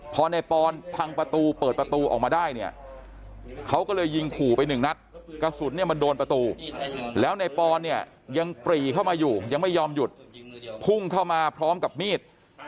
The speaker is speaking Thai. พอในปอนพังประตูเปิดประตูออกมาได้เนี่ยเขาก็เลยยิงขู่ไปหนึ่งนัดกระสุนเนี่ยมันโดนประตูแล้วในปอนเนี่ยยังปรีเข้ามาอยู่ยังไม่ยอมหยุดพุ่งเข้ามาพร้อมกับมีด